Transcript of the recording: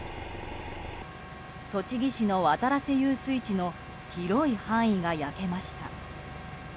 栃木市の渡良瀬遊水地の広い範囲が焼けました。